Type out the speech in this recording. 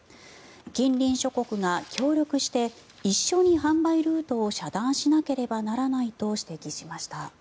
近隣諸国が協力して一緒に販売ルートを遮断しなければならないと指摘しました。